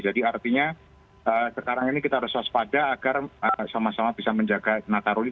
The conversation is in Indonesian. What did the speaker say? jadi artinya sekarang ini kita harus waspada agar sama sama bisa menjaga natal ini